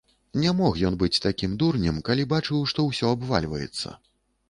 Не мог ён быць такім дурнем, калі бачыў, што ўсё абвальваецца.